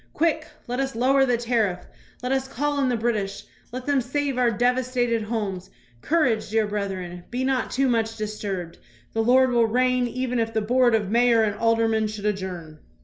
Quick, let us lower the tariff. Let us call in the British. Let them save our devastated homes. Courage, dear brethren. Be not too much disturbed. The Lord will reign even if the board of mayor and aldermen should adjourn.